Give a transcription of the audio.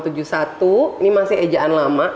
ini masih ejaan lama